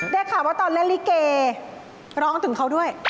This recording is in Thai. ได้ข่าวว่าตอนแรงรีโกรธเพราะร้องถึงเขาด้วย